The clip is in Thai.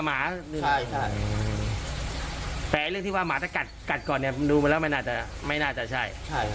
อ่ะแต่เรื่องที่ว่ามาท่ากัดเกิดก่อนเปิ้ลไม้นานแต่ไม่นานจะใช่